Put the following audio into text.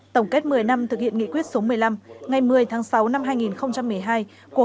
tổng kết một mươi năm thực hiện nghị quyết số một mươi năm ngày một mươi tháng sáu năm hai nghìn một mươi hai của hội trưởng bộ công an